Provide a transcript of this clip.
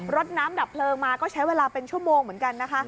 รถน้ำดับเพลิงมาก็ใช้เวลาเป็นชั่วโมงเหมือนกันนะคะ